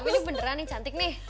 ini beneran nih cantik nih